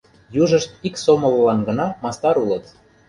Южышт ик сомыллан гына мастар улыт.